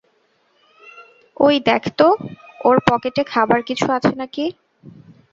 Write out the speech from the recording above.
ওই, দেখ তো ওর পকেটে খাবার কিছু আছে নাকি?